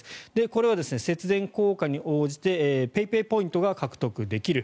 これは節電効果に応じてＰａｙＰａｙポイントが獲得できる。